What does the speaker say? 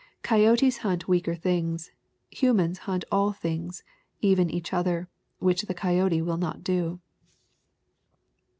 "Coyotes hunt weaker things. Humans hunt all things, even each other, which the coyote will not do."